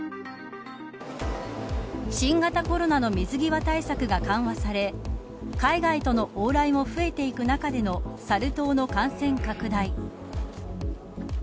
新型コロナの水際対策が緩和され海外との往来も増えていく中でのサル痘の感染拡大。